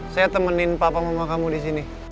saya temenin papa mama kamu di sini